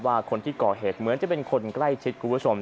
ว่าคนที่ก่อเหตุเหมือนจะเป็นคนใกล้ชิดคุณผู้ชม